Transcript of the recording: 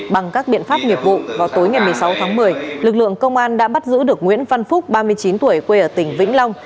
bằng các biện pháp nghiệp vụ vào tối ngày một mươi sáu tháng một mươi